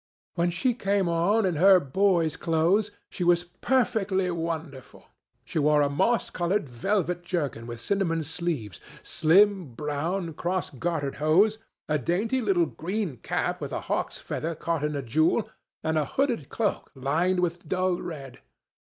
When she came on in her boy's clothes, she was perfectly wonderful. She wore a moss coloured velvet jerkin with cinnamon sleeves, slim, brown, cross gartered hose, a dainty little green cap with a hawk's feather caught in a jewel, and a hooded cloak lined with dull red.